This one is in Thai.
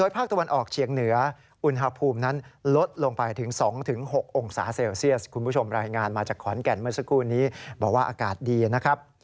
พูดนี้บอกว่าอากาศดีนะครับ